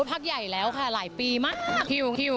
พักใหญ่แล้วค่ะหลายปีมาก